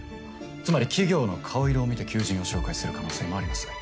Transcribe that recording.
つまり企業の顔色を見て求人を紹介する可能性もあります。